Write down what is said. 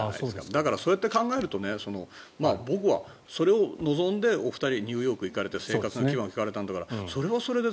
だから、そうやって考えると僕はそれを望んでお二人はニューヨークに行かれて生活の基盤を作られたんだからそれはそれで。